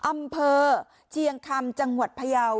อำเภอเชียงคำจังหวัดพยาว